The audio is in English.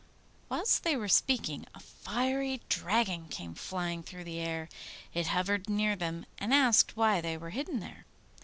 Whilst they were speaking a fiery dragon came flying through the air. It hovered near them, and asked why they were hidden there.